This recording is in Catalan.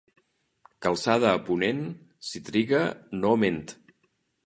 Calçada a ponent, si triga, no ment.